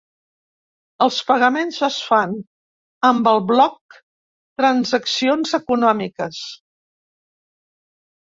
Els pagaments es fan amb el bloc transaccions econòmiques.